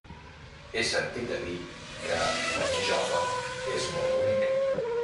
He sentit a dir que Benijòfar és molt bonic.